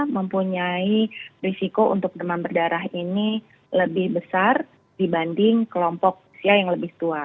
mempunyai risiko untuk demam berdarah ini lebih besar dibanding kelompok usia yang lebih tua